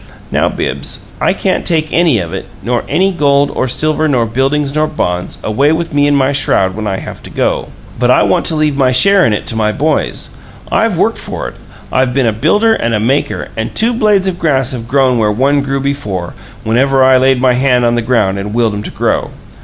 "Now, Bibbs, I can't take any of it nor any gold or silver nor buildings nor bonds away with me in my shroud when I have to go. But I want to leave my share in it to my boys. I've worked for it; I've been a builder and a maker; and two blades of grass have grown where one grew before, whenever I laid my hand on the ground and willed 'em to grow.